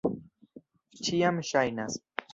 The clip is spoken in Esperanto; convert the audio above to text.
Ĉiam ŝajnas.